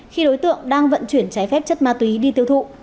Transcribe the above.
khi đối tượng đang vận chuyển trái phép chất ma túy đi tiêu thụ